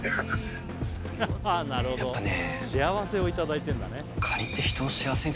やっぱね。